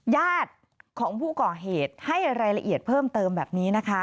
ญาติของผู้ก่อเหตุให้รายละเอียดเพิ่มเติมแบบนี้นะคะ